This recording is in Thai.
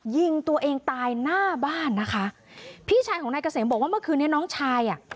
ยิงตัวเองตายหน้าบ้านนะคะพี่ชายของนายเกษมบอกว่าเมื่อคืนนี้น้องชายอ่ะ